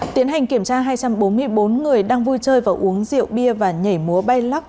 tiến hành kiểm tra hai trăm bốn mươi bốn người đang vui chơi và uống rượu bia và nhảy múa bay lắc